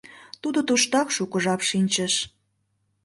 Тудо туштак шуко жап шинчыш.